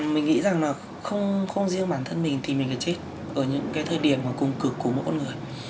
mình nghĩ rằng là không riêng bản thân mình thì mình là chết ở những cái thời điểm mà cùng cực của mỗi con người